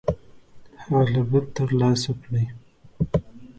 هعلْهبت تر لاسَ کړئ.